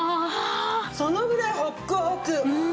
そのぐらいホックホク！